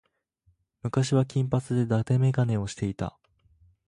昔は金髪で伊達眼鏡をしていた。